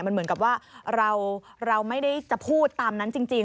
มันเหมือนกับว่าเราไม่ได้จะพูดตามนั้นจริง